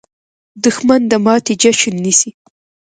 دښمن د ماتې جشن نیسي